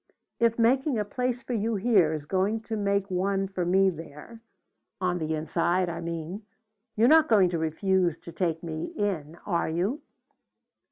If making a place for you here is going to make one for me there on the inside, I mean you're not going to refuse to take me in, are you?"